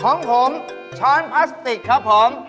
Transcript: ของผมช้อนพลาสติกครับผม